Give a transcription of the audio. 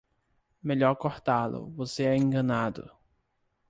Melhor cortá-lo, você é enganado!